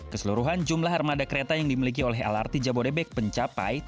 keseluruhan jumlah armada kereta yang dimiliki oleh lrt jabodebek berada di jawa timur